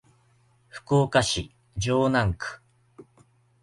福岡市城南区